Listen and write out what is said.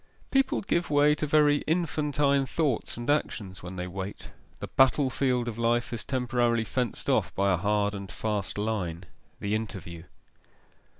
People give way to very infantine thoughts and actions when they wait; the battle field of life is temporarily fenced off by a hard and fast line the interview.